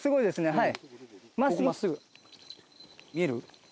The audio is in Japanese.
はい。